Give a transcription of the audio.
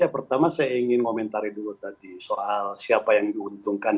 pertama saya ingin komentari dulu tadi soal siapa yang diuntungkan